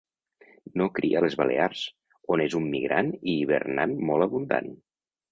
No cria a les Balears, on és un migrant i hivernant molt abundant.